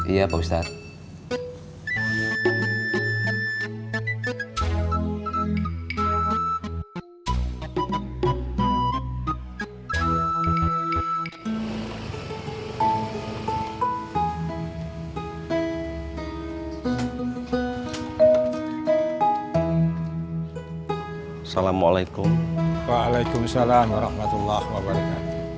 iya pak ustadz